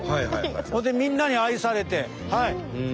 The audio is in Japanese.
それでみんなに愛されて。